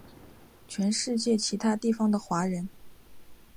全世界其他地方的华人